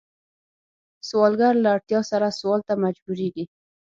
سوالګر له اړتیا سره سوال ته مجبوریږي